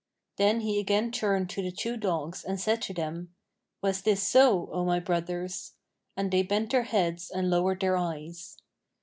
(Then he again turned to the two dogs and said to them "Was this so, O my brothers?"; and they bent their heads and lowered their eyes.)